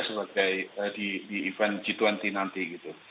sebagai di event g dua puluh nanti gitu